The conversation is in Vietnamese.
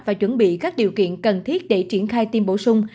và chuẩn bị các điều kiện cần thiết để triển khai tiêm bổ sung